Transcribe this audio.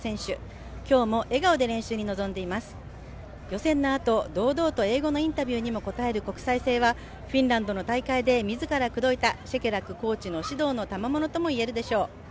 予選のあと堂々と英語のインタビューにも応える国際性はフィンランドの大会で自ら口説いたシェケラックコーチの指導のたまものともいえるでしょう。